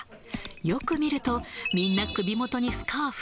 よく見ると、みんな首元にスカーフ。